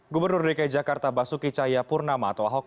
gubernur dki jakarta basuki cahaya purnama atau ahok